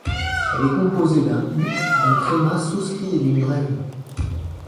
Elle est composée d’un U, d’un tréma souscrit et d’une brève.